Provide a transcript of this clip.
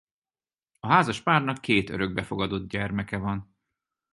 A házaspárnak két örökbefogadott gyermeke van.